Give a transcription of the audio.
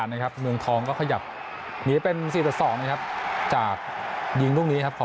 เมืองทองก็ขยับเหนียวเป็น๔๒นะครับจากยิงตรงนี้ครับ